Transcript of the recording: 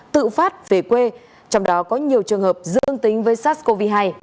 tự phát về quê trong đó có nhiều trường hợp dương tính với sars cov hai